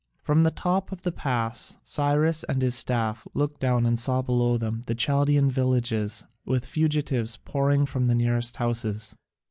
From the top of the pass Cyrus and his staff looked down and saw below them the Chaldaean villages with fugitives pouring from the nearest houses.